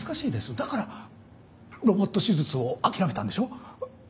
だからロボット手術を諦めたんでしょう？